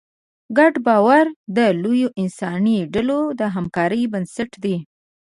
ګډ باور د لویو انساني ډلو د همکارۍ بنسټ دی.